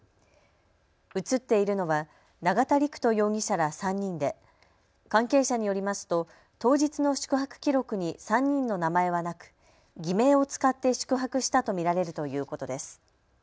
写っているのは永田陸人容疑者ら３人で関係者によりますと当日の宿泊記録に３人の名前はなく偽名を使って宿泊したと見られるということです。